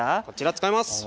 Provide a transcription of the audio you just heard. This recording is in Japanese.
こちら使います。